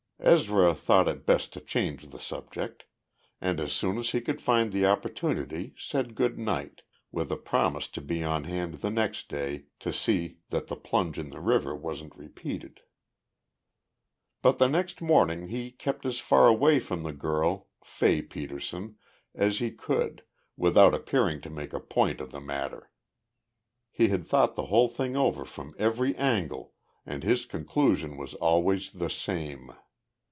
Ezra thought it best to change the subject, and as soon as he could find the opportunity said good night, with a promise to be on hand the next day to see that the plunge in the river wasn't repeated. But the next morning he kept as far away from the girl Fay Petersen as he could, without appearing to make a point of the matter. He had thought the whole thing over from every angle and his conclusion was always the same.